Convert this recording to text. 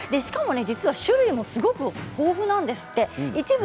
実は種類もすごく豊富なんですって。